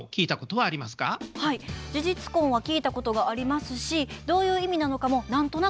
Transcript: はい事実婚は聞いたことがありますしどういう意味なのかも何となく分かります。